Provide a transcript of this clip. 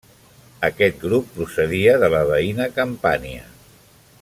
Aquest grup procedia de la veïna Campània.